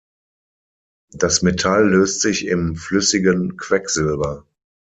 Das Metall löst sich im flüssigen Quecksilber.